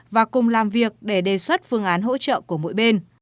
và cùng làm việc để đề xuất phương án hỗ trợ của mỗi bên